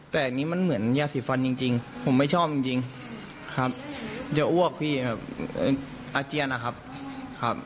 แต่อันนี้มันเหมือนยาสีฟันจริงผมไม่ชอบจริงครับยาอ้วกพี่แบบอาเจียนนะครับครับ